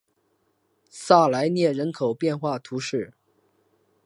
萨莱涅人口变化图示